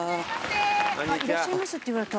いらっしゃいませって言われた。